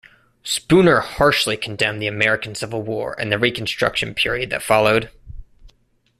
Spooner harshly condemned the American Civil War and the Reconstruction period that followed.